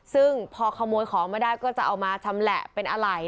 ซึ่งพอขโมยของไม่ได้ก็จะเอามาชำแหละเป็นอะไร